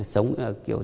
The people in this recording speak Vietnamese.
sống như kiểu